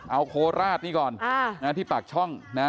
เอาโคราชนี่ก่อนที่ปากช่องนะ